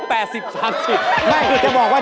ไม่จะบอกว่า๗๐๓๐